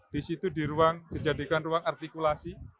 di situ di ruang dijadikan ruang artikulasi